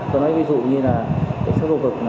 ví dụ như là cảnh sát khu vực